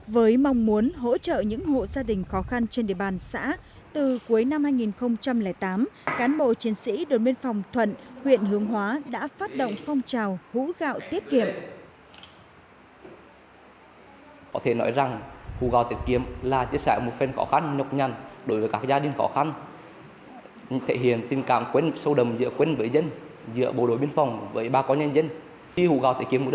với mong muốn hỗ trợ những hộ gia đình khó khăn trên địa bàn xã từ cuối năm hai nghìn tám cán bộ chiến sĩ đồn biên phòng thuận huyện hướng hóa đã phát động phong trào hũ gạo tiết kiệm